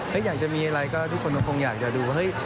อยากจะมีอะไรก็ทุกคนก็คงอยากจะดูว่าเฮ้ย